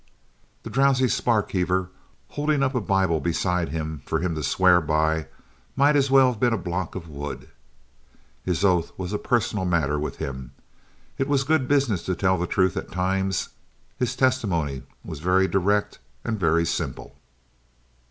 The drowsy Sparkheaver holding up a Bible beside him for him to swear by might as well have been a block of wood. His oath was a personal matter with him. It was good business to tell the truth at times. His testimony was very direct and very simple.